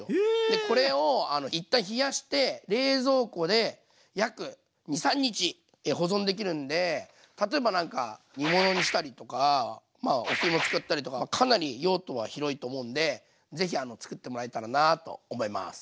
でこれを一旦冷やして冷蔵庫で約２３日保存できるんで例えばなんか煮物にしたりとかお吸い物作ったりとかかなり用途は広いと思うんで是非作ってもらえたらなと思います。